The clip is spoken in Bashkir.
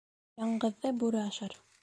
Яңғыҙҙы бүре ашар.